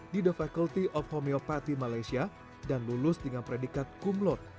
di the faculty of homeopathy malaysia dan lulus dengan predikat cum laude